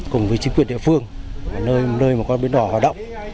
cùng với chính quyền địa phương nơi mà con biến đỏ hoạt động